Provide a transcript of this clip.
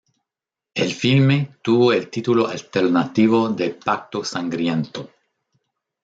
El filme tuvo el título alternativo de Pacto sangriento.